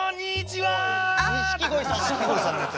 錦鯉さんの。